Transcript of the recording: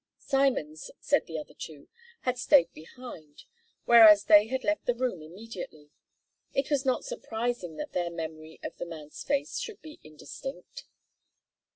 Simons, said the other two, had stayed behind, whereas they had left the room immediately. It was not surprising that their memory of the man's face should be indistinct.